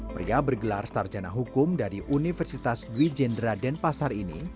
pria bergelar sarjana hukum dari universitas dwi jendra denpasar ini